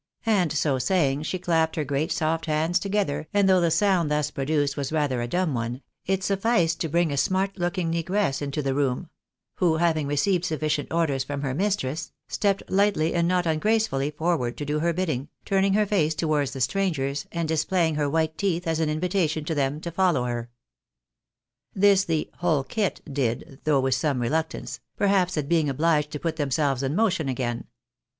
And so saying, she clapped her great soft hands together, and though the sound thus produced was rather a dumb one, it sufficed to bring a smart looking negress into the room, who having re ceived sufficient orders from her mistress, stepped lightly and not ungracefully forward to do her bidding, turning her face towards the strangers, and displaying her white teeth, £is an invitation to them to follow her. This the " whole kit" did, though with some reluctance, perhaps at being obhged to put themselves in motion again.